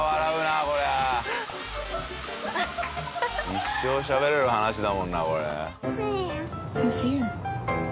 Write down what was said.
一生しゃべれる話だもんなこれ。